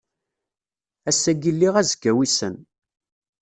Ass-agi lliɣ azekka wissen.